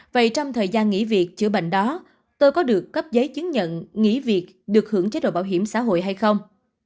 vậy trong thời gian nghỉ việc chữa bệnh đó tôi có được cấp giấy chứng nhận nghỉ việc được hưởng chế độ bảo hiểm xã hội hay không